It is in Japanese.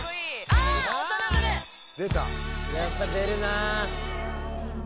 「やっぱ出るなぁ」